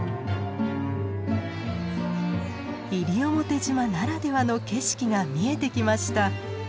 西表島ならではの景色が見えてきました。